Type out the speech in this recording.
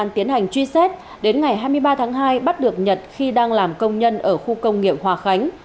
hai mươi ba tháng hai bắt được nhật khi đang làm công nhân ở khu công nghiệm hòa khánh